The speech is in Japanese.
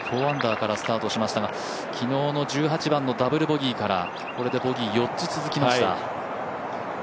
４アンダーからスタートしましたが昨日の１８番のダブルボギーからこれでボギー４つ続きました。